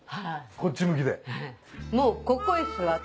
こっち向きで？